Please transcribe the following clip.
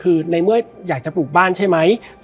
และวันนี้แขกรับเชิญที่จะมาเชิญที่เรา